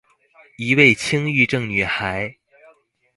一位輕鬱症女孩